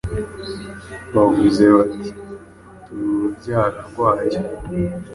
bavuze bati, ‘Turi urubyaro rwayo.’